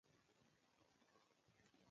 سوهیلي متل وایي حرص د بایللو لامل دی.